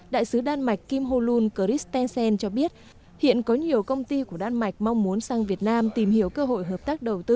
đại sứ đan mạch kim ho lun chris tencent cho biết hiện có nhiều công ty của đan mạch mong muốn sang việt nam tìm hiểu cơ hội hợp tác đầu tư